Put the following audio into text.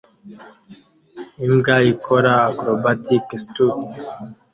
Imbwa ikora acrobatic stunts